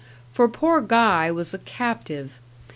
For poor Guy was a captive.